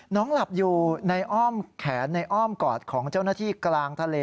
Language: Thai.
หลับอยู่ในอ้อมแขนในอ้อมกอดของเจ้าหน้าที่กลางทะเล